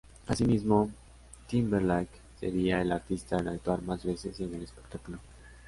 Asimismo, Timberlake sería el artista en actuar más veces en el espectáculo.